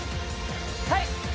・はい！